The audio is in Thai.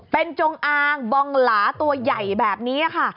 เป็นจงอางบองหลาตัวใหญ่แบบนี้ค่ะ